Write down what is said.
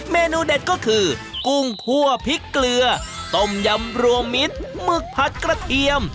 เมนูเด็ดก็คือกุ้งคั่วพริกเกลือต้มยำรวมมิตรหมึกผัดกระเทียม